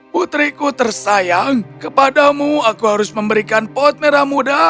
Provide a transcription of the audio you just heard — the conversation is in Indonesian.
putriku tersayang kepadamu aku harus memberikan pot merah muda